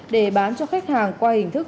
để bán cho khách hàng qua hình thức